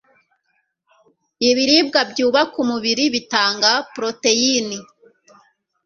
ibiribwa byubaka umubiri bitanga poroteyin